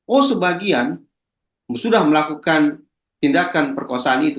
oh sebagian sudah melakukan tindakan perkosaan itu